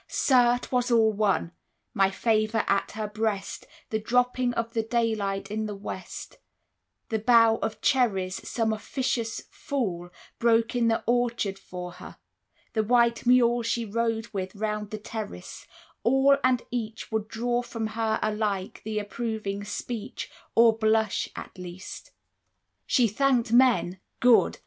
Sir, 'twas all one! My favour at her breast, The dropping of the daylight in the West, The bough of cherries some officious fool Broke in the orchard for her, the white mule She rode with round the terrace all and each Would draw from her alike the approving speech, 30 Or blush, at least. She thanked men good!